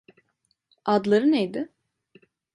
Adları neydi?